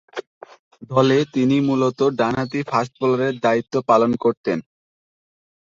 দলে তিনি মূলতঃ ডানহাতি ফাস্ট বোলারের দায়িত্ব পালন করতেন।